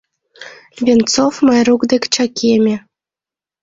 — Венцов Майрук дек чакеме.